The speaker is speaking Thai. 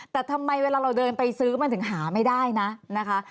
แต่ทำไมเวลาเราเดินไปซื้อมันถึงหาไม่ได้นะนะคะ